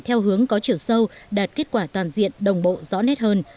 theo hướng có chiều sâu đạt kết quả toàn diện đồng bộ rõ nét hơn